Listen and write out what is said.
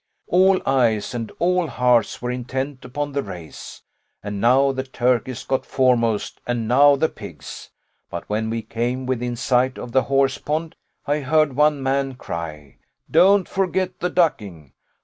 All eyes and all hearts were intent upon the race; and now the turkeys got foremost, and now the pigs. But when we came within sight of the horsepond, I heard one man cry, 'Don't forget the ducking.